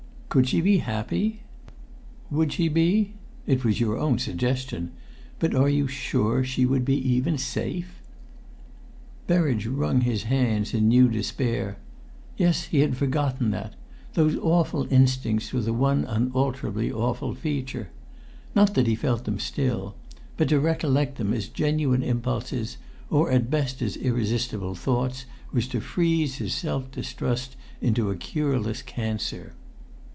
Could she be happy? Would she be it was your own suggestion but are you sure she would be even safe?" Berridge wrung his hands in new despair; yes, he had forgotten that! Those awful instincts were the one unalterably awful feature. Not that he felt them still; but to recollect them as genuine impulses, or at best as irresistible thoughts, was to freeze his self distrust into a cureless cancer.